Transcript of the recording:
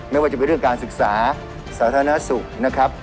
ไม่ว่าจะเป็นเรื่องการศึกษาสาธารณสุขนะครับ